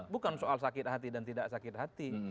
bukan soal sakit hati dan tidak sakit hati